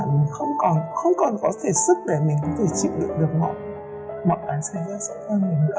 mình không còn có thể sức để mình có thể chịu được được mọi cái xảy ra sau con mình nữa